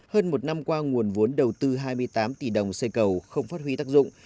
hơn một năm qua nguồn vốn đầu tư hai mươi tám tỷ đồng xây cầu không phát huyện